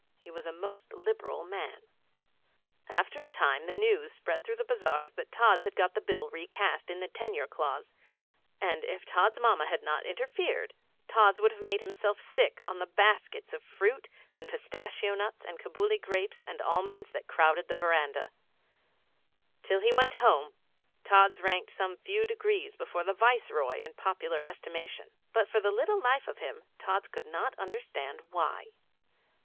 He was a most liberal man. After a time the news spread through the bazars that Tods had got the Bill recast in the tenure clause, and, if Tods' Mamma had not interfered, Tods would have made himself sick on the baskets of fruit and pistachio nuts and Cabuli grapes and almonds that crowded the verandah. Till he went Home, Tods ranked some few degrees before the Viceroy in popular estimation. But for the little life of him Tods could not understand why.